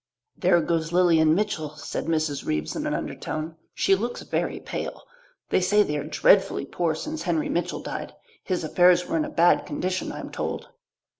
"There goes Lilian Mitchell," said Mrs. Reeves in an undertone. "She looks very pale. They say they are dreadfully poor since Henry Mitchell died. His affairs were in a bad condition, I am told."